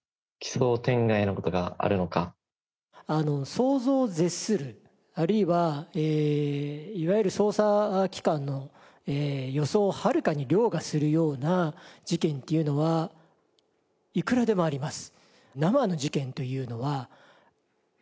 想像を絶するあるいはいわゆる捜査機関の予想を遥かに凌駕するような事件っていうのはいくらでもあります。